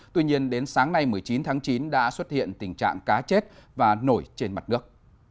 tuy nhiên đến sáng nay một mươi chín tháng chín đã xuất hiện tình trạng cá chết và nổi trên mặt nước